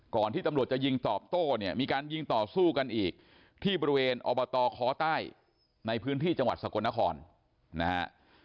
ที่ตำรวจจะยิงตอบโต้เนี่ยมีการยิงต่อสู้กันอีกที่บริเวณอบตคใต้ในพื้นที่จังหวัดสกลนครนะฮะ